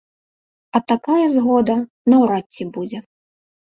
А такая згода наўрад ці будзе.